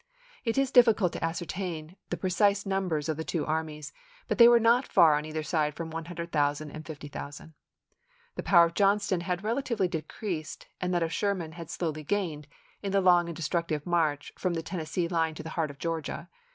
It is difficult to ascertain the precise numbers of the two armies, but they were not far on either side from 100,000 and 50,000. The power of Johnston had relatively decreased, and that of Sherman had slowly gained, in the long and destructive march from the Ten nessee line to the heart of Georgia.